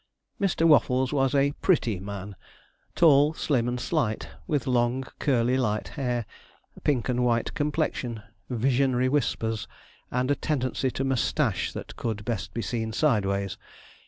Mr. Waffles was a 'pretty man.' Tall, slim, and slight, with long curly light hair, pink and white complexion, visionary whiskers, and a tendency to moustache that could best be seen sideways.